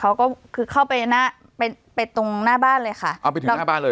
เขาก็คือเข้าไปหน้าไปไปตรงหน้าบ้านเลยค่ะเอาไปถึงหน้าบ้านเลย